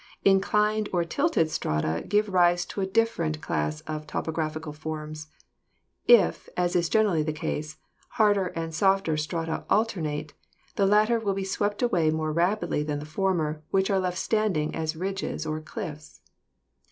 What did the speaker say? Inclined or tilted strata give rise to a different class of topographical forms. If, as is generally the case, harder and softer strata alternate, the latter will be swept away more rapidly than the former, which are left standing as ridges or cliffs.